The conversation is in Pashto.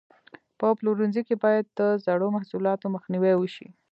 په پلورنځي کې باید د زړو محصولاتو مخنیوی وشي.